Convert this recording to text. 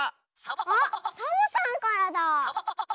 あっサボさんからだ。